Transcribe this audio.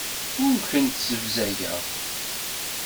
Ur kent-ssebzageɣ.